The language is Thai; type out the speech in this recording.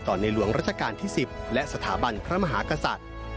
ในหลวงราชการที่๑๐และสถาบันพระมหากษัตริย์